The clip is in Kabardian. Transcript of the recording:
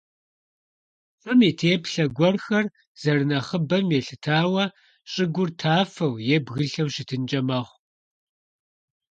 ЩӀым и теплъэ гуэрхэр зэрынэхъыбэм елъытауэ щӀыгур тафэу е бгылъэу щытынкӀэ мэхъу.